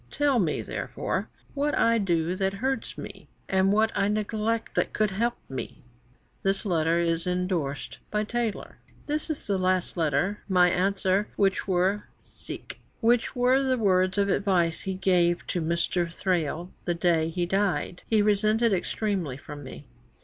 Tell me, therefore, what I do that hurts me, and what I neglect that would help me." This letter is endorsed by Taylor: "This is the last letter. My answer, which were the words of advice he gave to Mr. Thrale the day he dyed, he resented extremely from me."'